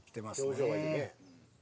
表情はいいね。